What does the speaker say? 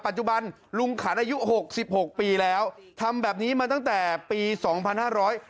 ปัจจุบันลุงขันอายุหกสิบหกปีแล้วทำแบบนี้มาตั้งแต่ปีสองพันห้าร้อย